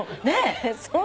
そう。